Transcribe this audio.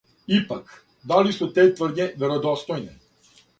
Ипак, да ли су такве тврдње веродостојне?